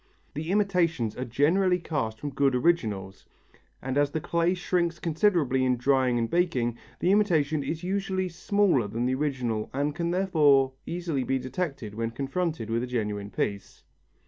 The imitations are generally cast from good originals, and as the clay shrinks considerably in drying and baking, the imitation is usually smaller than the original and can therefore easily be detected when confronted with a genuine piece.